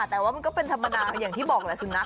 แต่ว่ามันก็เป็นธรรมดาอย่างที่บอกแหละสุนัข